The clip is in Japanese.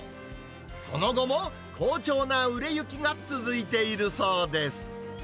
その後も好調な売れ行きが続いているそうです。